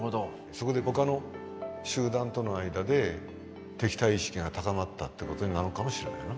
そこでほかの集団との間で敵対意識が高まったってことになるかもしれないな。